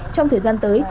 trong thời gian tới